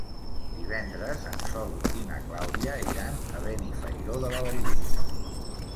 Divendres en Sol i na Clàudia iran a Benifairó de la Valldigna.